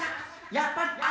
やっぱり朝。